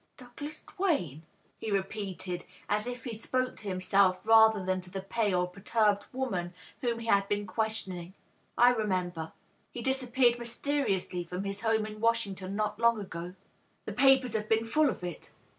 " Douglas Duane/^ he repeated, as if he spoke to himself rather than to the pale, perturbed woman whom he had been questioning. "I remember. He disappeared mysteriously &om his home in Washington not long ago. The papers have been full of it.